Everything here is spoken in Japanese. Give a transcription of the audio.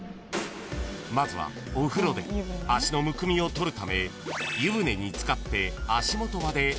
［まずはお風呂で足のむくみを取るため］